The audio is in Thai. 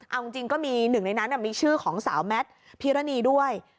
เอาจริงก็มีหนึ่งในนั้นมีชื่อของสาวแมทพิรณีด้วย